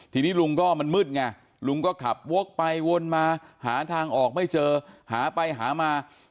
ทีนี้ลุงก็มันมืดไงลุงก็ขับวกไปวนมาหาทางออกไม่เจอหาไปหามา